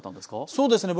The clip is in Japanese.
そうですね